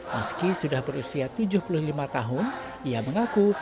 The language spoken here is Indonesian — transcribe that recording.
meski sudah berusia tujuh puluh lima tahun ia mengaku